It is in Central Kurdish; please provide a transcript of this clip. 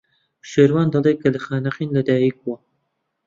شێروان دەڵێت کە لە خانەقین لەدایک بووە.